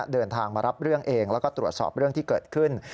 เดินทางมารับเรื่องเองแล้วก็ตรวจสอบเรื่องที่เกิดขึ้น